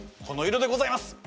この色でございます。